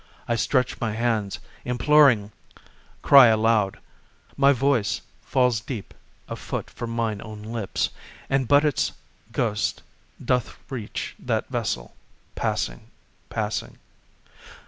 I stretch my hands imploring, cry aloud, My voice falls dead a foot from mine own lips, And but its ghost doth reach that vessel, passing, passing.